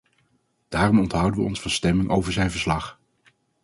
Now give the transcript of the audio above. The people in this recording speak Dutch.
Daarom onthouden we ons van stemming over zijn verslag.